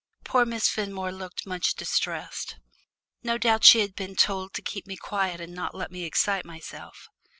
Poor Miss Fenmore looked much distressed. No doubt she had been told to keep me quiet and not let me excite myself.